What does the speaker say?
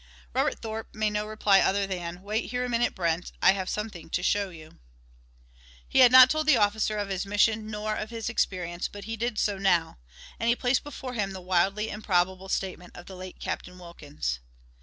Robert Thorpe made no reply other than: "Wait here a minute, Brent. I have something to show you." He had not told the officer of his mission nor of his experience, but he did so now. And he placed before him the wildly improbable statement of the late Captain Wilkins.